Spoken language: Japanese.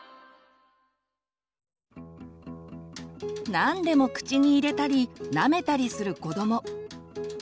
何でも口に入れたりなめたりする子ども。